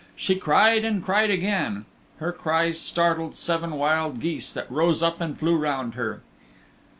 She cried and cried again. Her cries startled seven wild geese that rose up and flew round her.